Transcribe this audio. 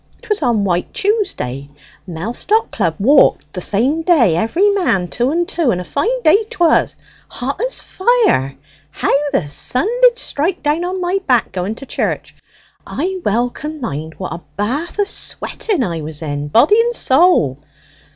'Twas on White Tuesday, Mellstock Club walked the same day, every man two and two, and a fine day 'twas, hot as fire, how the sun did strike down upon my back going to church! I well can mind what a bath o' sweating I was in, body and soul!